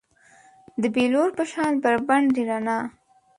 د بیلور په شان بربنډې رڼا